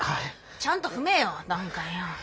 ちゃんと踏めよ段階を。